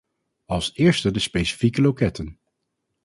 Als eerste de specifieke loketten.